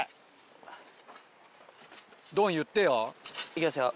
いきますよ